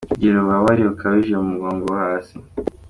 Kugira ububabare bukabije mu mugongo wo hasi:.